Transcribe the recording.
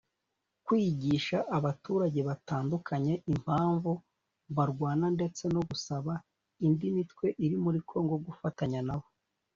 kwigisha abaturage batandukanye impamvu barwana ndetse no gusaba indi mitwe iri muri Kongo gufatanya nabo